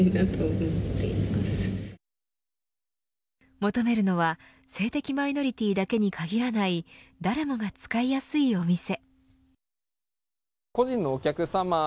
求めるのは性的マイノリティだけに限らない誰もが使いやすいお店。